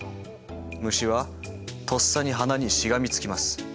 虫はとっさに花にしがみつきます。